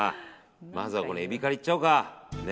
まずはこのエビから行っちゃおうか。